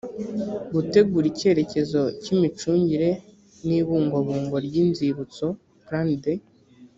gutegura icyerekezo cy imicungire n ibungabungwa ry inzibutso plan de